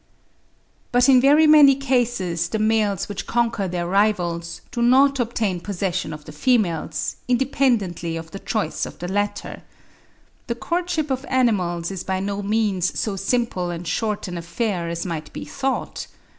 But in very many cases the males which conquer their rivals, do not obtain possession of the females, independently of the choice of the latter. The courtship of animals is by no means so simple and short an affair as might be thought.